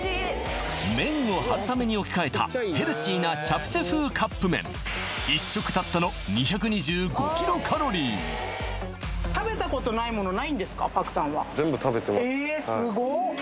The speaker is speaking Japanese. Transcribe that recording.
麺を春雨に置きかえたヘルシーなチャプチェ風カップ麺たったのパクさんはえすごっ！